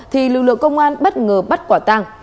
thì lực lượng công an bất ngờ bắt quả tang